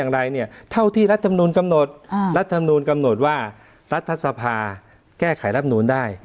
รัฐธรรมนูลแก้ไขรัฐธนูลได้